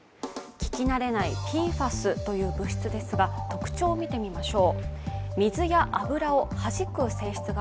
聞き慣れないＰＦＡＳという物質ですが、特徴を見てみましょう。